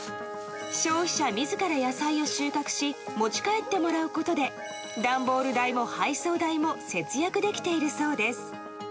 消費者自ら野菜を収穫し持ち帰ってもらえることで段ボール代も配送代も節約できているそうです。